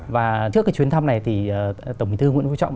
và trước chuyến thăm này tổng bí thư nguyễn vũ trọng